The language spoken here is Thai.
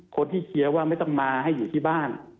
คนที่เชียร์ว่าไม่ต้องมาให้อยู่ที่บ้าน